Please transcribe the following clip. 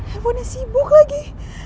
hpnya sibuk lagi